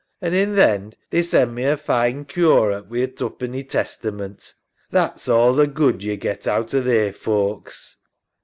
An' in th' end they send me a fine curate with a tupenny Testament. That's all th' good yo get out o' they folks.